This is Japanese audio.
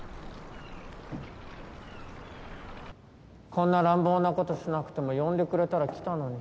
こんな乱暴なことしなくても呼んでくれたら来たのに。